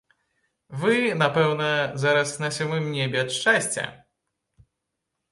Вы, напэўна, зараз на сёмым небе ад шчасця?